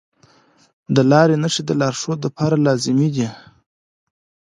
د لارې نښې د لارښود لپاره لازمي دي.